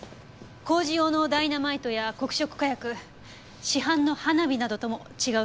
工事用のダイナマイトや黒色火薬市販の花火などとも違う組成でした。